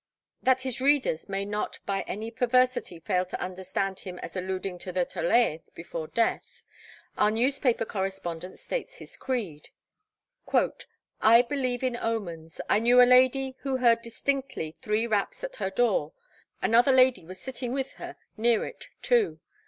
"' That his readers may not by any perversity fail to understand him as alluding to the Tolaeth before Death, our newspaper correspondent states his creed: 'I believe in omens. I knew a lady who heard distinctly three raps at her door. Another lady was sitting with her near it too.